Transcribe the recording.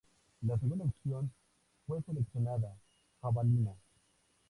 La segunda opción fue seleccionada: Jabalina.